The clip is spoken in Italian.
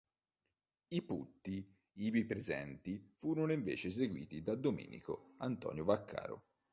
I putti ivi presenti furono invece eseguiti da Domenico Antonio Vaccaro.